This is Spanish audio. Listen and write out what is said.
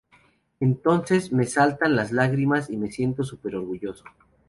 Entonces me saltan las lágrimas y me siento súper orgulloso.